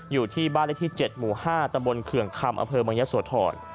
อยู่ที่บ้านเลขที่๗หมู่๕ตำบลเขื่องคำอำเภอเมืองยะโสธร